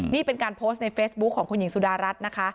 นี่เป็นการโพสต์ในเฟซบุ๊คของคุณหญิงสุดารัฐนะคะ